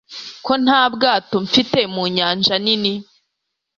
Ko nta bwato mfite mu nyanja nini